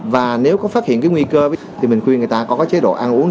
và nếu có phát hiện cái nguy cơ thì mình khuyên người ta có cái chế độ ăn uống